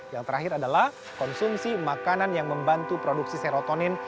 yang terakhir adalah konsumsi makanan yang membantu produksi serotonin